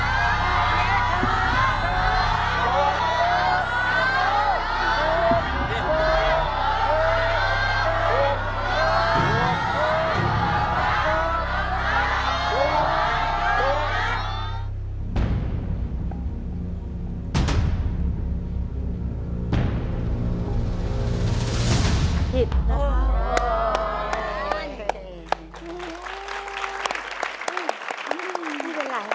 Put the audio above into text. นี่เป็นไร